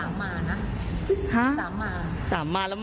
สามมามาสามสอง